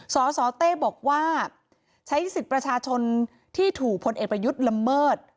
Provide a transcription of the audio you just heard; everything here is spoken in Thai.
สสเต้บอกว่าใช้สิทธิ์ประชาชนที่ถูกพลเอกประยุทธ์ละเมิด